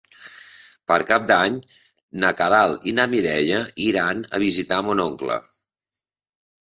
Per Cap d'Any na Queralt i na Mireia iran a visitar mon oncle.